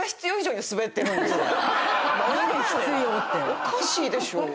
おかしいでしょう。